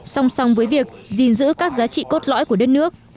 song song với việc gìn giữ các giá trị cốt lõi của đất nước